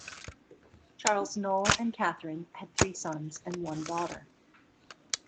Charles Knoll and Catherine had three sons and one daughter.